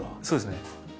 そうですね。